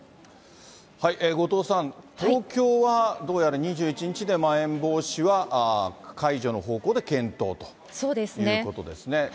後藤さん、東京は、どうやら２１日でまん延防止は解除の方向で検討ということですね。